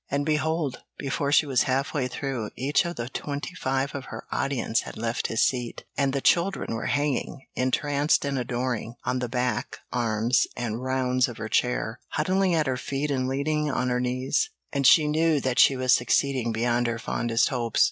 And behold, before she was half way through, each of the twenty five of her audience had left his seat, and the children were hanging, entranced and adoring, on the back, arms, and rounds of her chair, huddling at her feet and leaning on her knees, and she knew that she was succeeding beyond her fondest hopes.